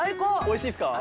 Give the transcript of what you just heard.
美味しいですか？